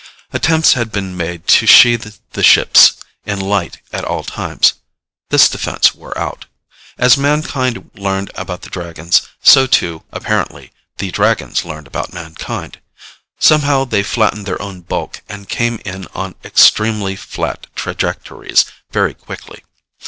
Attempts had been made to sheath the ships in light at all times. This defense wore out. As mankind learned about the Dragons, so too, apparently, the Dragons learned about mankind. Somehow they flattened their own bulk and came in on extremely flat trajectories very quickly.